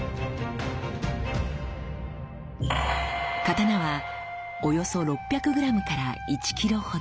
刀はおよそ６００ｇ１ｋｇほど。